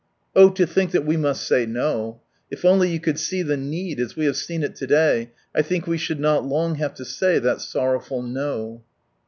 Oh, to think that we must say so ! If only you could see the need, as we have seen it to day, I think we should not long have to say that sorrowful "No."